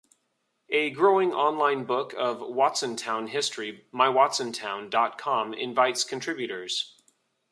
A growing online book of Watsontown history MyWatsontown dot com invites contributors.